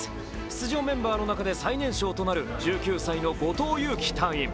出場メンバーの中で最年少となる１９歳の後藤悠希隊員。